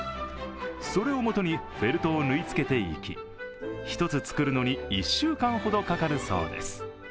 それをもとに、フェルトを縫い付けていき、１つ作るのに１週間ほどかかるそうです。